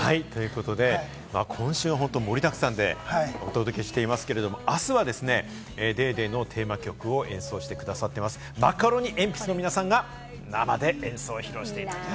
今週は本当、盛りだくさんでお届けしていますけれども、あすは『ＤａｙＤａｙ．』のテーマ曲を演奏してくださっています、マカロニえんぴつの皆さんが生で演奏を披露してくれます。